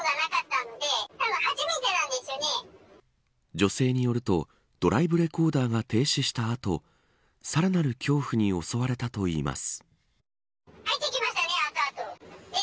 女性によるとドライブレコーダーが停止した後さらなる恐怖に襲われたといいます。